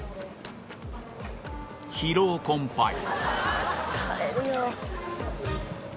疲労困ぱい。